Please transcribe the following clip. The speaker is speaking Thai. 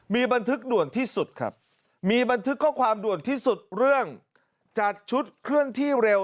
มีบันทึกด่วนที่สุดครับมีบันทึกข้อความด่วนที่สุดเรื่องจัดชุดเคลื่อนที่เร็ว